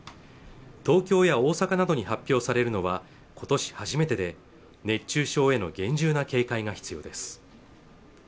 東京や大阪などに発表されるのは今年初めてで熱中症への厳重な警戒が必要です